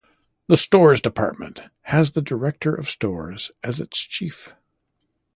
The Stores Department has the director of stores as its chief.